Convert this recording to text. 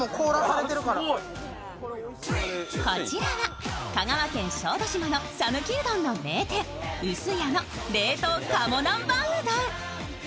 こちらは香川県小豆島のさぬきうどんの名店・うす家の冷凍鴨南蛮うどん。